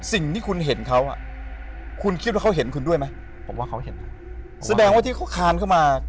สิ่งที่คุณเห็นเขาอะคุณคิดว่าเขาเห็นคุณด้วยไหม